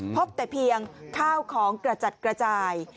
พบแต่เพียงข้าวของกระจัดกระจาย